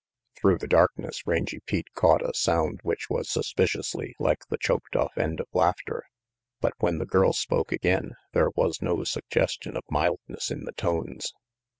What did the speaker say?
Through the darkness Rangy Pete caught a sound which was suspiciously like the choked off end of laughter, but when the girl spoke again there was no suggestion of mildness in the tones.